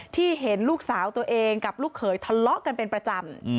ที่เห็นลูกสาวตัวเองกับลูกเขยทะเลาะกันเป็นประจำ